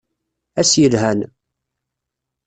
Ass yelhan!